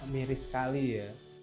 mirip sekali ya